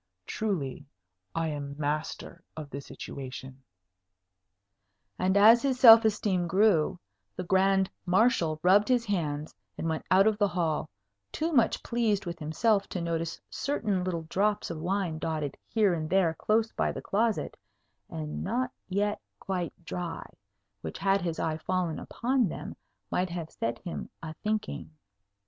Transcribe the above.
Truly, I am master of the situation!" And as his self esteem grew, the Grand Marshal rubbed his hands, and went out of the hall, too much pleased with himself to notice certain little drops of wine dotted here and there close by the closet, and not yet quite dry, which, had his eye fallen upon them, might have set him a thinking.